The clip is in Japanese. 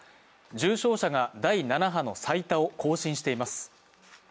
重症者が第７波の最多を更新しています。